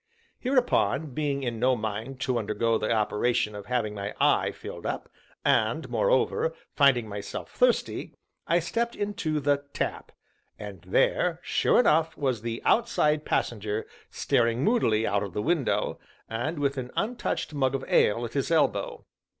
Hereupon, being in no mind to undergo the operation of having my eye filled up, and, moreover, finding myself thirsty, I stepped into the "Tap." And there, sure enough, was the Outside Passenger staring moodily out of the window, and with an untouched mug of ale at his elbow.